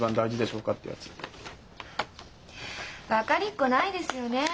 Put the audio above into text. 分かりっこないですよねえ。